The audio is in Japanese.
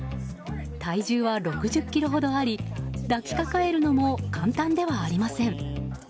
体重は６０ｋｇほどあり抱きかかえるのも簡単ではありません。